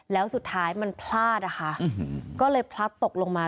แล้วสุดท้ายมันพลาดอะค่ะ